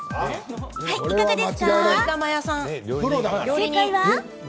正解は。